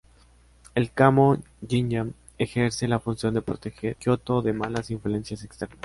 El Kamo"-jinja" ejerce la función de proteger Kioto de malas influencias externas.